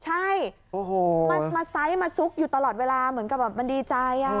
ใช่มาไซส์มาซุกอยู่ตลอดเวลาเหมือนกับแบบมันดีใจ